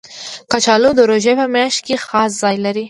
کچالو د روژې په میاشت کې خاص ځای لري